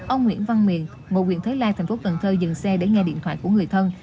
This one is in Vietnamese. ông nguyễn văn miền ngôi quyền thới lai tp cn dừng xe để nghe điện thoại của người thân